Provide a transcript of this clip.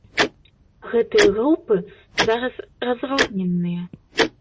Гэтыя групы зараз разрозненыя.